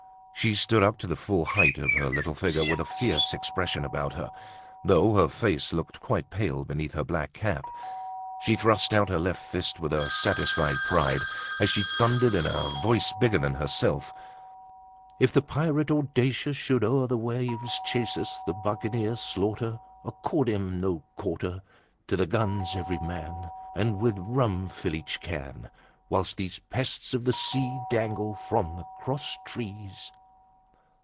She stood up to the full height of her little figure, with a fierce expression about her, though her face looked quite pale beneath her black cap; she thrust out her left fist with a satisfied pride as she thundered in a voice bigger than herself: "If the pirate audacious Should o'er the waves chase us, The buccaneer slaughter, Accord him no quarter. To the guns every man, And with rum fill each can! While these pests of the seas Dangle from the cross trees."